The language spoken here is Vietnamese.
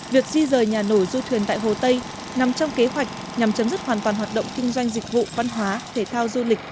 việc di rời nhà nổi du thuyền tại hồ tây nằm trong kế hoạch nhằm chấm dứt hoàn toàn hoạt động kinh doanh dịch vụ văn hóa thể thao du lịch